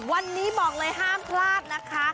วันนี้บอกเลยห้ามพลาดนะคะ